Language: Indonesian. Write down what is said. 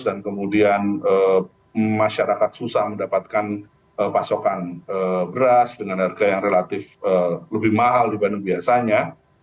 dan kemudian masyarakat susah mendapatkan pasokan beras dengan harga yang relatif lebih mahal dibanding biasanya